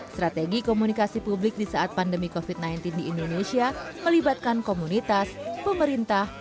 strategi komunikasi publik di saat pandemi covid sembilan belas di indonesia melibatkan komunitas pemerintah